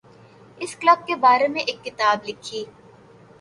اس club کے بارے میں ایک کتاب لکھی